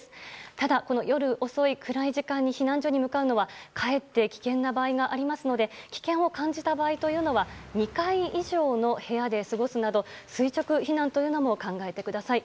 ただ夜遅い、暗い時間に避難所に向かうのは、かえって危険な場合がありますので危険を感じた場合というのは２階以上の部屋で過ごすなど垂直避難も考えてください。